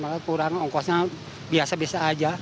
kurang angkutnya biasa biasa aja